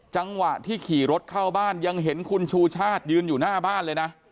จังหวะที่ขี่รถเข้าบ้านยังเห็นคุณชูชาติยืนอยู่หน้าบ้านเลยนะ